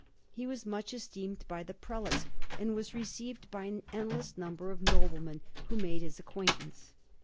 He was much esteemed by the prelates, and was received by an endless number of noblemen who made his acquaintance.